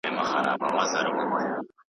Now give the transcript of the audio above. که چا لامبلي دي د عــطرو پــه چینه باندي؟